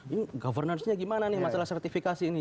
ini governance nya gimana nih masalah sertifikasi ini